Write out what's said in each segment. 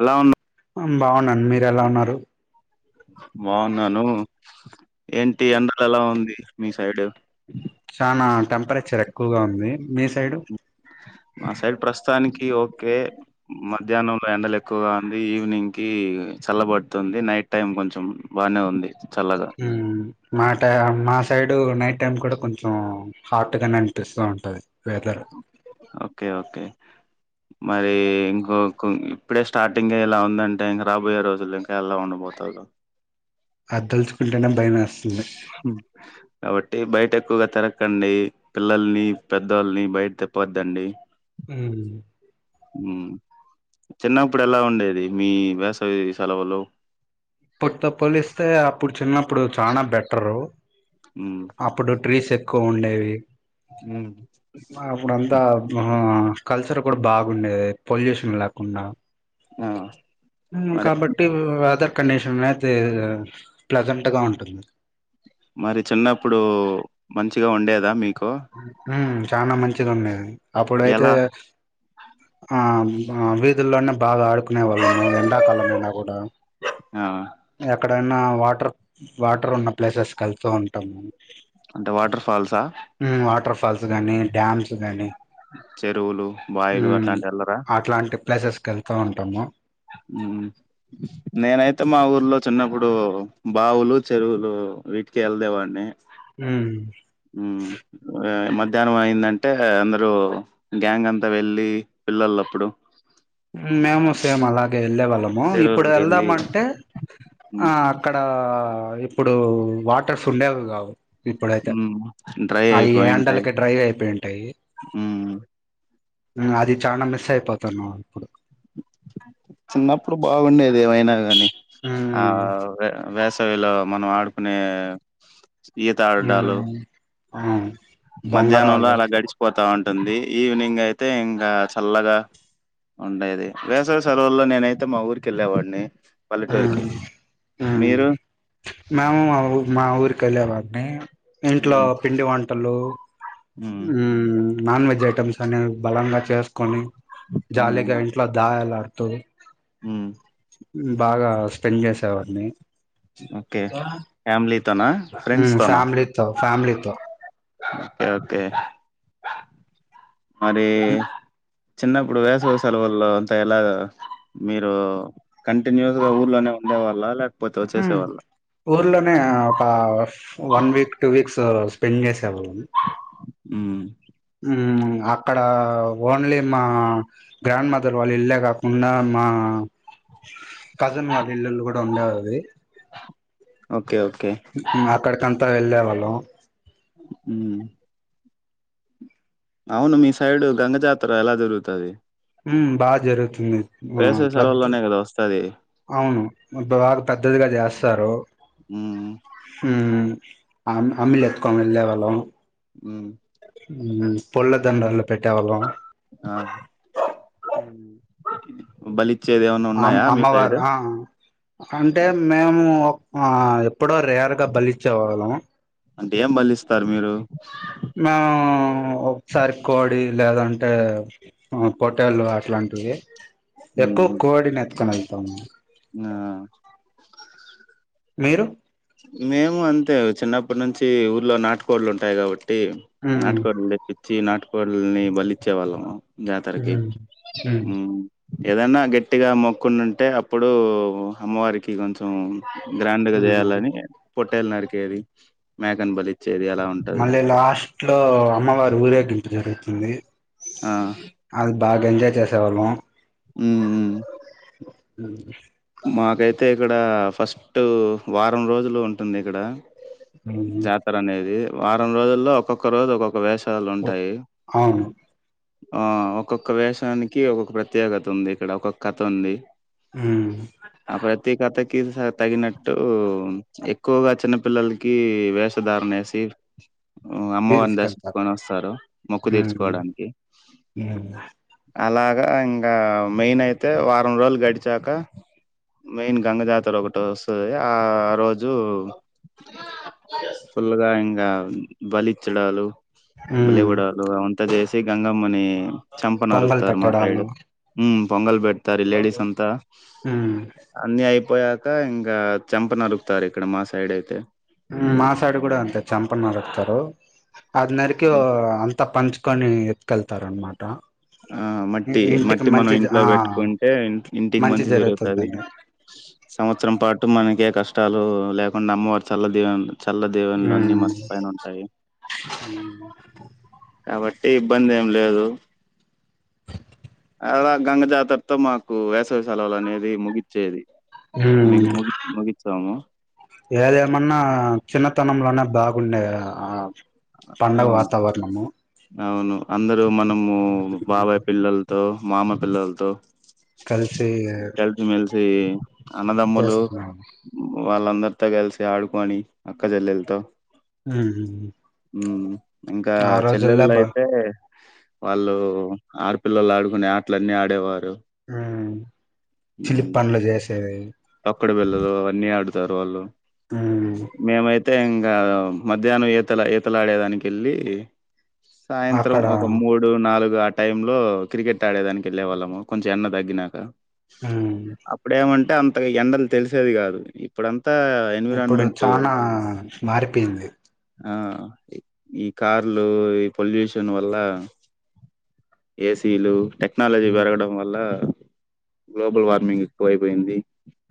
ఎలా ఉన్నావ్ బాగున్నాను మీరు ఎలా ఉన్నారు బాగున్నా నువ్వు ఏంటి అన్నది ఎలా ఉంది మీ సైడ్ చానా టెంపరేచర్ ఎక్కువగా ఉంది మీ సైడ్ మా సైడ్ ప్రస్తుతానికి ఓకే మధ్యాహ్నంలో ఎండలె ఎక్కువగా ఉంది ఈవినింగ్ కి చల్లబడుతుంది నైట్ టైమ్ కొంచెం బానే ఉంది చల్లగా ఉమ్ మా ట మా సైడు నైట్ టైం కూడా కొంచెం హాట్ గనే అనిపిస్తూ ఉంటది వెదర్ ఓకే ఓకే మరి ఇంకొక ఇప్పుడే స్టార్టింగ్ ఇలా ఉందంటే, ఇంకా రాబోయే రోజులు ఇంకా ఎలా ఉండబోతాదో ఆదితలుచుకుంటేనే భయమేస్తంది అవు టె బయట ఎక్కువగా తిరగకండి పిల్లల్ని పెద్దొళ్ళని బయట తిప్పోద్దండి ఊ ఊ చిన్నప్పుడు ఎలా ఉండేది మీ వేసవి సెలవులు ఇప్పుడుతో పోలిస్తే అప్పుడు చిన్నప్పుడు చానా బెటరు, ఉమ్ అప్పుడు ట్రీస్ ఎక్కువ ఉండేవి ఉమ్ [inaudible] అప్పుడు అంతా ఆ కల్చర్ కూడా బాగుండేది పొల్యూషన్ లేకుండా ఆ మ్ మరి కాబట్టి వెదర్ కండిషన్ అనేది ప్లెజెంట్ గా ఉంటుంది మరి చిన్నప్పుడు మంచిగా ఉండేదా మీ ఆ చాలా మంచిగా ఉండేది అప్పుడు అయితే ఎలా ఆ వీధుల్లోనే బాగా ఆడు కునే వాళ్ళ ఎండాకాలం అయినా కూడా ఆ ఎక్కడనా వాటర్ వాటర్ ఉన్న ప్లేసెస్ కళ్తూ ఉంటాము అంటే వాటర్ ఫాల్సా మ్ వాటర్ ఫాల్స్ గానీ డ్యామ్స్ గాని చెరువులు బాయిలు మ్ అట్లాంటి వెళ్ళరా అట్లాంటి ప్లేసెస్ కి వెళ్త ఉంటాము నేనైతే మా ఊర్లో చిన్నప్పుడు బావులు చెరువులు వీటికి వెళ్దేవాడిని మ్ మ్ మధ్యాహ్నం అయిందంటే అందరు గ్యాంగ్ అంతా వెళ్ళి పిల్లలప్పుడు మేము సేమ్ అలాగే వెళ్ళే వాళ్ళము ఇప్పుడు చెరువులకి వెళ్ళి వెళ్దామంటే ఆ మ్మ్ అక్కడ ఇప్పుడు వాటర్స్ ఉండేవి కావు ఇప్పుడైతే, మ్మ్. డ్రై అవి అయిపోయింటాయి హ్యాండల్కి డ్రైవ్ అయిపోయింటాయి, మ్మ్ అది చాలా మిస్ అయిపో తను చిన్నప్పుడు బాగుండేది ఏమైనా గాని ఆ ఉమ్, వేస్ సవి లో మనం ఆడుకునే ఈత ఆడడాలు ఉమ్ అవును మధ్యాహ్నంలో బొంగరాళ్ళు అలా గడిచిపోతా ఉం ఉంటుంది ఈవినింగ్ అయితే ఇంగ చల్లగా ఉండేది వేసవి సెలవుల్లో నేనైతే మా ఊరికి ఎళ్ళేవాడిని ఉమ్ ఆమ్ మేము మా మాఊర్ కెల్లేవన్నీ టైం ఇంట్లో మ్మ్ పిండి వం టలు మ్మ్ ఉమ్ నాన్ వెజ్ ఐటమ్స్ అనేవి బలంగా చేసుకొని జాలీగా మ్మ్ ఇంట్లో దాయలా తరు మ్మ్ బాగా స్పెండ్ చేసేవాడిని ఓకే ఫ్యామిలీ హు ఫ్యామిలీతో ఫ్యామిలీతో ఓకే ఓకే మరి ఉమ్ చిన్నప్పుడు వేసవి సెలవుల్లో అంత ఎలా మీరు కంటిన్యూస్ గా ఊర్లోనే ఉండే వాళ్ళ లే హు ఊర్లోనే ఆ ఒక one week two weeks spend చేసేవలాం ఉ హు ఇగ అక్కడ ఓన్లీ మా గ్రాండ్ మదర్ వాళ్ళ ఇల్లేగా ఉన్న మా కజిన్ వాళ్ళ ఇళ్లుళు కూడా ఉండెవవి ఓకే ఓకే మ్ అక్కడికంతా వెళ్ళేవాళ్ళం [inaudible] ఉ అవును మీ సైడు గంగజాతర ఎలా దొరుగుతది హు బాగ జరుగుతుంది ఆ పెద్ద సెలవుల్లోనే కదా వస్తది. అవును బాగా పెద్దదిగా చేస్తారు హ్మ్. హుమ్ [inaudible] అం అమి లేతుకుం ఉండలేవా లం ఉ పూల దండ అల్ పెట్టేవాళ్ళం ఆ! ఊ బలి అమ్ అమ్మవారు ఆ అంటే మేము ఆ ఎప్పుడో రేర్గా బలిచ్చే వాళ్ళం అంటే ఏం బలిస్తారు మీరు మేము ఒకసారి కోడి లేదంటే పొటేల్లు అట్లాంటివి ఎక్కువ కోడిని ఎత్తుకున్న నేను తము నాన మీరు మేము అంతే చిన్నప్పటి నుంచి ఊర్లో నాటు కోళ్లు ఉంటాయి కాబట్టి ఉమ్ నాటకాలుఉండే పిచ్చి నాటకా వాల్ల్ ని బలిచ్చే వాళ్ళం జాతరకి ఉమ్ ఉమ్ ఉహు ఏదైనా గట్టిగా మొక్కున్ ఉంటే అప్ ఇప్పుడు అమ్మవారికి కొంచెం కొంచం గ్రాండ్గా ఉమ్ చేయాలని పొట్టేల్ నరికేేది మేకన్ బలి మళ్ళీ లాస్ట్ లో అమ్మవారు ఊరేగింప్ జరుగుతుంది ఆ! అగ్ బాగా ఎంజాయ్ చేసేవాళ్ళం హ్మ్. హ్మ్. అవు మాకైతే ఇక్కడ ఫస్ట్ వారం రోజులు ఉంటుంది ఇక్కడ ఉమ్, జాతర అనేది వారం రోజుల్లో ఒక్కొక్క రోజు ఒక్కొక్క వేసం అవును ఆ ఒక్కొక్క వేషానికి ఒక్కొక్క ప్రత్యేకత ఉంది. ఇక్కడ ఒక్కొక్క కథ ఉంది. ఉమ్ ఆ ప్రతికతక్ తగినట్టు ఎక్కువగా చిన్నపిల్లలకి వేషధారణ వేసి అమ్మవారిని తీసుకెళ్తారు దర్శించుకొని వస్తారు మొక్కు ఉమ్ తీర్చుకోవడానికి ఉమ్ అలాగా ఇంకా మెయిన్ అయితే వారం రోజులు గడిచాక మెయిన్ గంగజాతర ఒకటి వస్తుంది ఆ రోజు ఫుల్గా హింగా బలించడాలు ఉమ్ బలివుడాలు అంతా చేసి గంగమ్మని చంపన పొంగల్ అరుకుతారు మా సైడ్ పెట్టడాలు పొంగల్పట్ ఇ త ర లేడీస్ అంతా ఆ అన్ని అయిపోయాక ఇంగా చంప నలుకుతారు ఇక్కడ మా సైడ్ అయితే మ్మ్ మా సైడు కూడా అంతే చంప నరుకుతారు అది నరకి వో అంత పంచు కాని ఎత్తుకెళ్తారు అన్మాట ఆ మట్టి మట్టి మనం ఇంట్లో ఆ పెట్టుకుంటే ఇంటికి మంచి జరుగుతది. సంవత్సరం పాటు కుటుంబానికి ఏ కష్టాలు లేకుండా అమ్మవారు చల్ల దీవెన చల్ల దీవెనలు అన్నీ ఉమ్ మన పైన ఉంటాయి కాబట్టి ఇబ్బంది ఏం లేదు అలా గంగ జాతరతో మాకు వేసవి సెలవులు అనేది ముగిచ్చేది మిగు హుమ్ ముగి ముగిచ్చాము ఏదేమన్నా చిన్నతనంలోనే బా గుండేది ఆ పండగ అవును వాతావరణము అవును అందర్ తో మనము బాబాయ్ పిల్లలతో మామ పిల్లలతో కలిసి కలిపి మెల్సి అన్నదమ్ములు చేసుకున్నాము వాళ్ళందరితో కలిసి ఆడుకొని అక్క చెల్లెలతో హ్మ్ హ్మ్ హు ఉమ్ ఇంకా చెల్లెళ్ బా అయితే వాళ్ళు ఆడపిల్లలు ఆడుకునే ఆటలన్ని ఆడేవారు చిలిప్ పన్నులు చేసేవి తొక్కుడు బిళ్ళలు అవన్నీ ఆడుతారు వాళ్ళు హ్మ్ ప్రత్య ఇంగా మధ్యాహ్నం ఈతల ఈతలాడేదానికి వెళ్ళి సాయంత్రం అక్కడ ఒక మూడు నాలుగు ఆ టైం లో క్రికెట్ ఆడే దానికి వెళ్ళే వాళ్ళము కొంచెం ఎండ తగ్గినాక ఉమ్ అప్పుడేమీ అంటే అంత ఎండలు తెలిసేది కాదు ఇప్పుడుంతా ఇప్పుడు చానా మారిపోయింది ఆ ఈ కార్లు ఈ పొల్యూషన్ వల్ల ఏసీలు టెక్ టెక్నాలజీ ఉమ్ పెరగడం వల్ల గ్లోబల్ వార్మింగ్ ఎక్కువ అయిపోయింది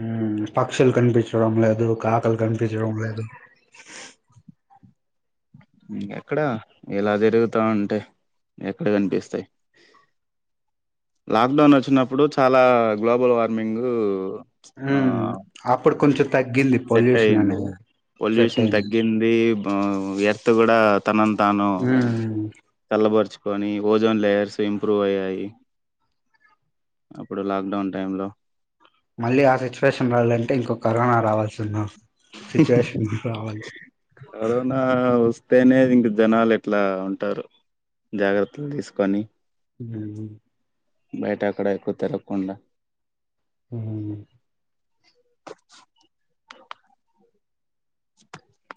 ఉమ్ పక్షులు కనిపించడం లేదు కాకులు కనిపించడం లేదు ఎక్కడ ఇలా జరుగుతా ఉంటే ఎక్కడ కనిపిస్తాయి లాక్డౌన్ వచ్చినప్పుడు చాలా గ్లోబల్ వార్మింగ్ ఉమ్ అప్పుడు కొంచెం తగ్గింది సెట్ పొల్యూషన్ అయ్యింది అనేది సెట్ పొల్యూషన్ అయింది అక్కడ తనను తాను ఉమ్ చల్లబరుచు కొని ఓజోన్ లేయర్స్ ఇంప్రూవ్ అయ్యాయి అప్పుడు లాక్డౌన్ టైమ్ లో మళ్ళీ ఆ సిచువేషన్ రాలే అండి అంటే ఇంకో కరోనా రావాల్సి ఉన్నాం కరోనా వ స్తేనే ఇంక జనాలు ఎట్లా ఉంటారు జాగ్రత్తలు తీసుకొని ఉమ్ బయట అక్కడ ఎక్కువ తిరగకుండా ఉమ్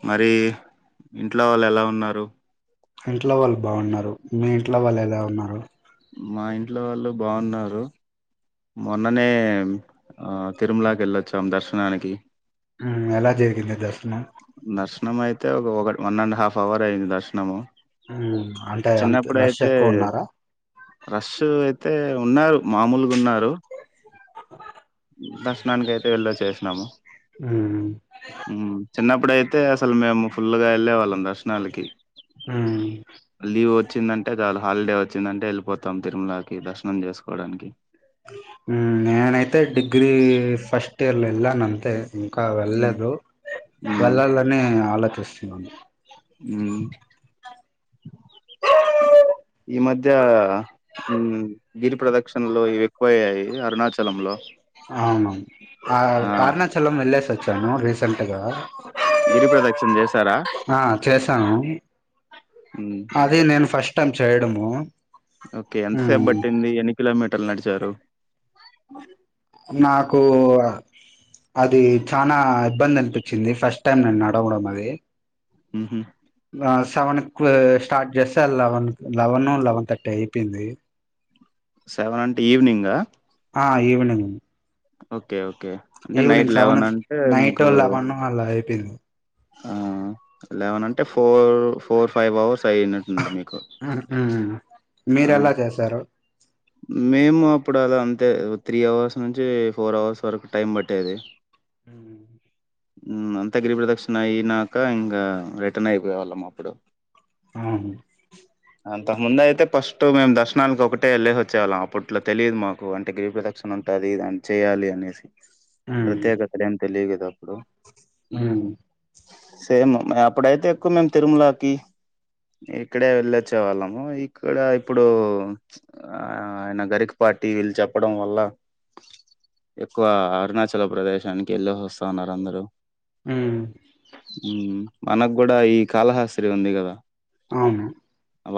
మరి ఇంట్లో వాళ్ళు ఎలా ఉన్నారు ఇంట్లో వాళ్ళు బాగున్నారు మీ ఇంట్లో వాళ్ళు ఎలా ఉన్నారు మా ఇంట్లో వాళ్ళు బాగున్నారు మొన్ననే తిరుమలకి వెళ్ళొచ్చాం దర్శనానికి ఉమ్ ఎలా జరిగింది ద ర్శనం దర్శనం అయితే ఒక వన్ అండ్ హాఫ్ అవర్ అయ్యింది దర్శనము ఉమ్ అంటే అంత చిన్నప్పుడు రష్ అయితే ఎక్కువ ఉన్నారా రస్సు అయితే ఉన్నారు మామూలుగా ఉన్నారు దర్శనానికయితే వెళ్ళచు చేసాము ఉమ్ ఇప్పుడైతే అసలు మేము ఫుల్ గా వెళ్ళే వాళ్ళం దర్శనాలకి ఉమ్, లీవ్ వచ్చిందంటే చాలా హాలిడే వచ్చిందంటే వెళ్ళిపోతాం తిరుమలకి దర్శనం చేసుకోవడానికి నేనైతే డిగ్రీ ఫస్ట్ ఇయర్ల ఎళ్లను అంతే ఇంకా హ్మ్ వెళ్లేదు హ్మ్ వెళ్ళాలని ఆలోచిస్తు [inaudible] ఈ మధ్య గిరి ప్రదక్షిణలు ఇవి ఎక్కువయ్యాయి అరుణాచలంలో అవునవును ఆ అరుణ చలం వెళ్ళస్ వచ్చ ను రీసెంట్గా గిరి ప్రదక్షిణ చేశారా? ఆ చేసాను హ్మ్ అది నేను ఫస్ట్టైం చేయడము ఓకే ఎంతసేపు పట్టింది ఎన్ని కిలోమీ టర్లు నడిచారు నాకు అది చనా ఇబ్బంది అనిపించింది ఫస్ట్ టైం నేను నడవడం అది ఊహు ఆ సెవెన్ కు స్టార్ట్ చేస్తే లెవెన్ లెవెను లెవెన్ థర్టీ అయిపోయింది సెవెన్ అంటే ఈవెనింగా ఆ ఈవెనింగ్ ఓకే ఓ ఈవీనింగ్ సెవెన్ నైట్ లెవెను అలా ఐ పోయింది ఆ లెవెన్ అంటే ఫోర్ ఫోర్ ఫైవ్ అవర్స్ పైనట్టుండి మీకు ఆ! మీరు ఎలా చేసారు మేము అప్పుడు అదంతే త్రీ అవర్స్ నుంచి ఫోర్ అవర్స్ వరకు టైం పట్టేది ఉమ్ హ్మ్మ్ అంత గిరి ప్రదక్షన అయినాక ఇంకా రిటర్న్ అయిపోయేవాళ్ళము అప్పుడు ఆ ఇంతకు ముందు అయితే ఫస్ట్ మేము దర్శనానికి ఒకటే వెళ్ళే చ్చే వాళ్ళం అప్పట్లో తెలియదు మాకు అంటే గిరి ప్రదక్షిణ ఉంటది దాని చేయాలి అనేసి ఉమ్ ప్రత్యేకతలు ఏం తెలిదు కదా అప్పుడు ఉమ్ సేమ్ మేం అప్పుడైతే ఎక్కువ మేము తిరుమలకి ఇక్కడే వెళ్ళచ్చే వాళ్ళము ఇక్కడ ఇప్పుడు ఆ ఆయన గరికపాటి వీళ్ళు చెప్పడం వల్ల ఎక్కువ అరుణాచల ప్రదేశానికి వెళ్ళేసి సోస్తాన్నారు అందరు ఉమ్ హ్మ్మ్ మనకు కూడా ఈ కాలహాస్తి ఉంది కదా అవును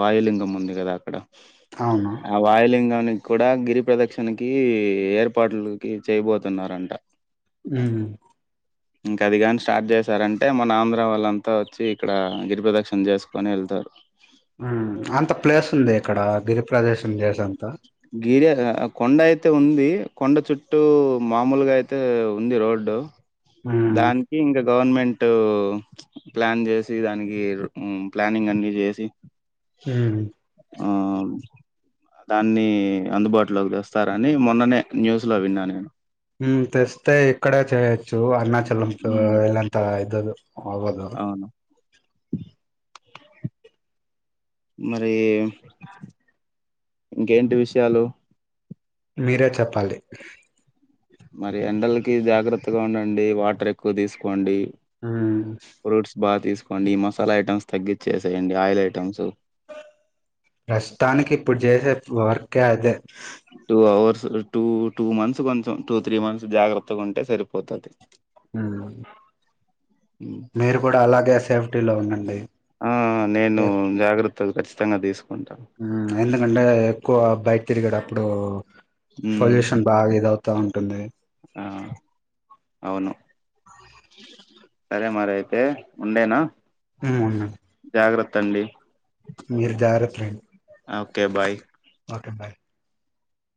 వాయులింగం ఉంది కదా అక్కడ అవును ఆ వాయలింగనీ కూడా గిరి ప్రదక్షిణకి ఏర్పాట్లకి చేయబోతున్నారంట హ్మ్మ్ ఇంకా అది కాని స్టార్ట్ చేశారంటే మన ఆంద్రా వాళ్ళంతా వచ్చి ఇక్కడ గిరిప్రదక్షిణ చేసుకుని వెళ్తారు. హ్మ్మ్ అంత ప్లేస్ ఉంది అక్కడ గిరి ప్రదేశం చేస్ అంతా గిరి కొండ అయితే ఉంది కొండ చుట్టూ మామూలుగా అయితే ఉంది రోడ్డు ఉమ్ దానికి ఇంకా గవర్నమెంటు ప్లాన్ చేసి దానికి హ్మ్మ్ ప్లానింగ్ అన్ని చేసి హ్మ్మ్ ఆ దాన్ని అందుబాటులోకి తెస్తారని మొన్ననే న్యూస్ లో విన్నా నేను హ్మ్మ్ తెస్తే ఇక్కడ చేయొచ్చు అన్న చలంతో ఉమ్ [unintelligible] దలు అవదు అవును మరి ఇంకేంటి విషయాలు మీరే చెప్పాలి మరి ఎండలకి జాగ్రత్తగా ఉండండి వాటర్ ఎక్కువ తీసుకోండి హ్మ్మ్ కోండి మసాలా ఐటమ్స్ తగ్గించచ్చేసేయండి ఆయిల్ ఐటమ్స్ ప్రస్తుతానికి ఇప్పుడు చేసే వర్కే అదే two hours two two months కొంచెం టూ త్రీ మంత్స్ జాగ్రత్తగా ఉంటే సరిపోతది. హ్మ్మ్ మీరు కూడా అలాగే సేమ్ టీలో ఉండండి ఆ నేను జాగ్రత్ ఖచ్చితంగా తీస్ హ్మ్మ్ ఇంగ ఎక్కువ బయట్ తిరిగేటప్పుడు ఉమ్ పోల్యూషన్ భారిగా అవుత ఉంది ఆ అవును [inaudible] సరే మరి అయితే ఉండేనా హ్మ్మ్ జాగ్రత్త అండి మీరు జాగ్రతండి ఓకే బాయ్ ఓకే బాయ్